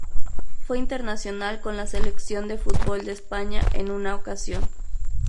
Fue internacional con la selección de fútbol de España en una ocasión.